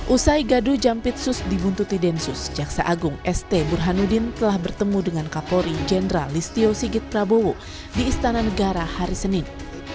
usai gadu jampitsus dibuntuti densus jaksa agung st burhanuddin telah bertemu dengan kapolri jenderal listio sigit prabowo di istana negara hari senin